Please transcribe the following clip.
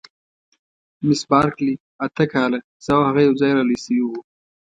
مس بارکلي: اته کاله، زه او هغه یوځای را لوي شوي وو.